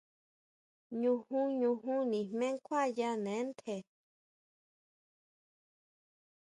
Ñujun, ñujun nijmé kjuayánee ntje.